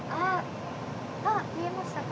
あ見えましたか？